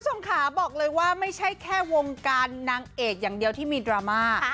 คุณผู้ชมค่ะบอกเลยว่าไม่ใช่แค่วงการนางเอกอย่างเดียวที่มีดราม่า